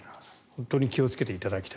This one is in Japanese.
本当に気をつけていただきたい。